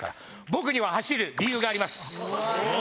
僕には走る理由があります。